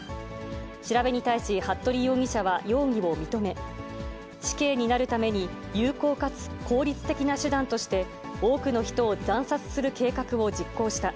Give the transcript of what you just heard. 調べに対し服部容疑者は容疑を認め、死刑になるために、有効かつ効率的な手段として、多くの人を惨殺する計画を実行した。